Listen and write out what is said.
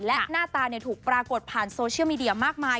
และหน้าตาถูกปรากฏผ่านโซเชียลมีเดียมากมาย